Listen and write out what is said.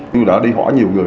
đúng không ạ